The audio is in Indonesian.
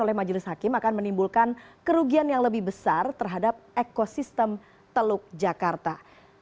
oleh majelis hakim akan menimbulkan kerugian yang lebih besar terhadap ekosistem teluk jakarta